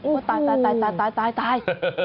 อู้ตาย